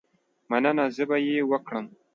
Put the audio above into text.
مننه، زه به یې وکړم.